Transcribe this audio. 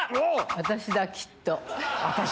私だきっと。